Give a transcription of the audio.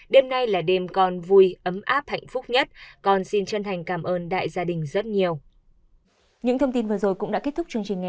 đêm nay là đêm con vui ấm áp hạnh phúc nhất con xin chân thành cảm ơn đại gia đình rất nhiều